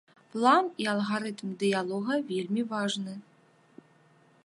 План і алгарытм дыялога вельмі важны.